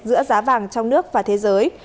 giữa giá vàng trong nước và thế giới